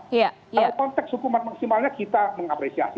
kalau konteks hukuman maksimalnya kita mengapresiasi